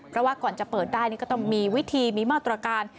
เพราะว่าก่อนจะเปิดได้นี่ก็ต้องมีวิธีมีมาตรการ